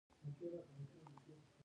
ګویا رحمان بابا له غزلو راوتی دی.